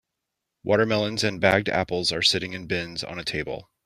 Watermelons and bagged apples are sitting in bins on a table.